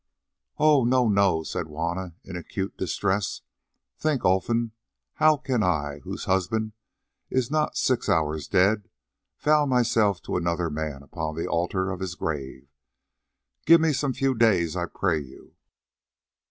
"Oh, no, no!" said Juanna in acute distress. "Think, Olfan, how can I, whose husband is not six hours dead, vow myself to another man upon the altar of his grave? Give me some few days, I pray you."